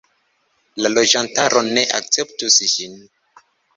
La loĝantaro ne akceptus ĝin.